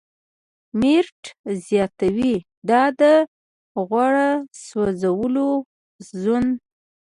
میرټ زیاتوي، دا د "غوړ سوځولو زون